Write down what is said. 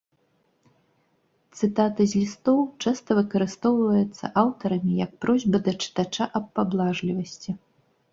Цытата з лістоў часта выкарыстоўваецца аўтарамі як просьба да чытача аб паблажлівасці.